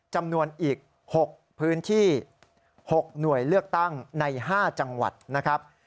จำนวนอีก๖พื้นที่๖หน่วยเลือกตั้งใน๕จังหวัดนะครับ